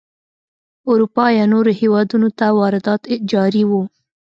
اروپا یا نورو هېوادونو ته واردات جاري وو.